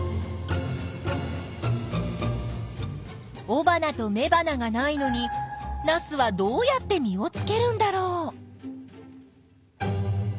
おばなとめばながないのにナスはどうやって実をつけるんだろう？